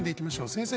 先生